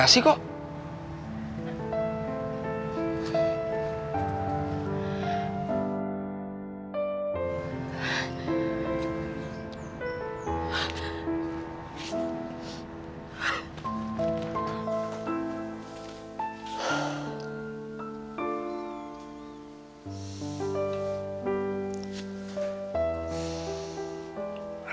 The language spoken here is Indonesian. mahu kocok saja wak